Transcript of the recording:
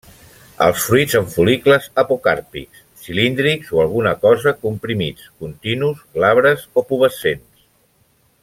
Els fruits en fol·licles apocàrpics, cilíndrics o alguna cosa comprimits, continus, glabres o pubescents.